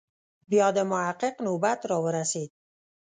بیا د محقق نوبت راورسېد.